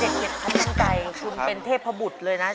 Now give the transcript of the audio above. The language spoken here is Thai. เพลงคิดเลยนะเป็นเทพบุฏเลยนะ